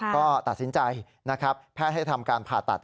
ก็ตัดสินใจนะครับแพทย์ให้ทำการผ่าตัด